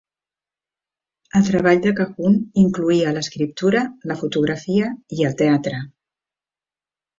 El treball de Cahun incloïa l'escriptura, la fotografia i el teatre.